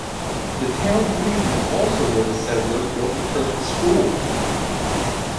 The Town Green is also where the settlers built the first school.